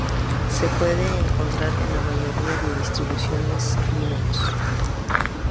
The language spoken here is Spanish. Se puede encontrar en la mayoría de distribuciones Linux.